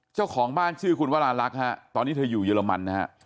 เจ้าของบ้านชื่อคุณวราลักษณ์ฮะตอนนี้เธออยู่เยอรมันนะฮะ